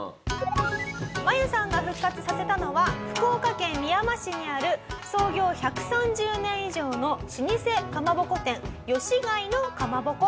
マユさんが復活させたのは福岡県みやま市にある創業１３０年以上の老舗かまぼこ店吉開のかまぼこ。